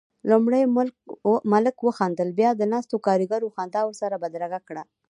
لومړی ملک وخندل، بيا ناستو کاريګرو خندا ورسره بدرګه کړه.